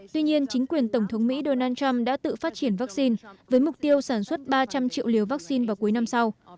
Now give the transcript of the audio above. tuy nhiên chính quyền tổng thống mỹ donald trump đã tự phát triển vaccine với mục tiêu sản xuất ba trăm linh triệu liều vaccine vào cuối năm sau